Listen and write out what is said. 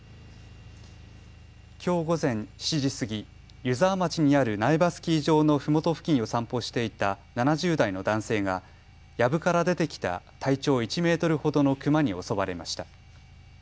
きょう午前７時過ぎ湯沢町にある苗場スキー場のふもと付近を散歩していた７０代の男性がやぶから出て来た体長１メートルほどのクマに襲われました。